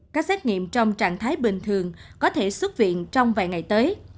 các xét nghiệm trong trạng thái bình thường có thể xuất viện trong vài ngày tới